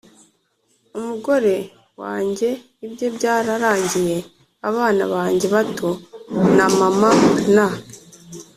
umugore wange ibye byararangiye. abana bange bato na mama na